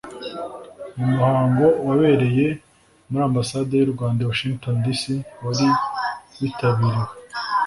mu muhango wabereye muri ambasade y u rwanda i washington d c wari witabiriwe